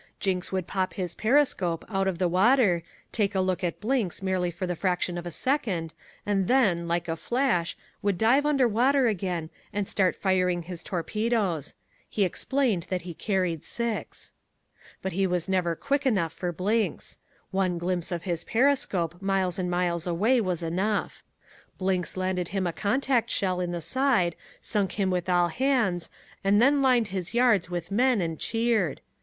Jinks would pop his periscope out of the water, take a look at Blinks merely for the fraction of a second, and then, like a flash, would dive under water again and start firing his torpedoes. He explained that he carried six. But he was never quick enough for Blinks. One glimpse of his periscope miles and miles away was enough. Blinks landed him a contact shell in the side, sunk him with all hands, and then lined his yards with men and cheered.